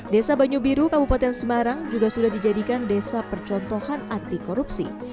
desa banyu biru kabupaten semarang juga sudah dijadikan desa percontohan anti korupsi